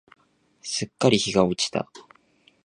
すっかり日が落ちた。